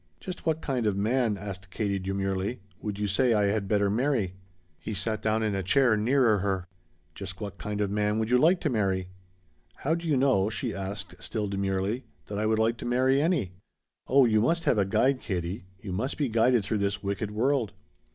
"Just what kind of man," asked Katie demurely, "would you say I had better marry?" He sat down in a chair nearer her. "Just what kind of man would you like to marry?" "How do you know," she asked, still demurely, "that I would like to marry any?" "Oh you must have a guide, Katie. You must be guided through this wicked world."